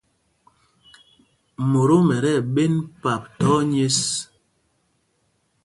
Motom ɛ tí ɛɓēn pâp thɔ̄ɔ̄ nyěs.